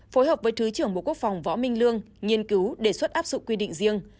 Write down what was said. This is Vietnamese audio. phối hợp với thứ trưởng bộ quốc phòng võ minh lương nghiên cứu đề xuất áp dụng quy định riêng